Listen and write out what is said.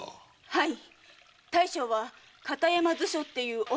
はい。